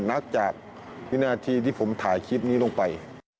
นับจากวินาทีที่ผมถ่ายคลิปนี้ลงไป